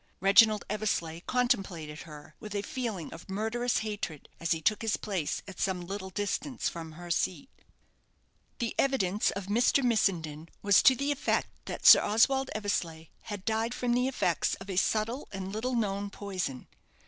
Reginald Eversleigh contemplated her with a feeling of murderous hatred, as he took his place at some little distance from her seat. The evidence of Mr. Missenden was to the effect that Sir Oswald Eversleigh had died from the effects of a subtle and little known poison.